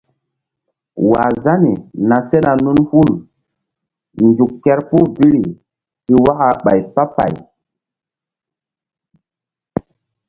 ̰wah Zani na sena nun hul nzuk kerpuh biri si waka ɓay pah pay.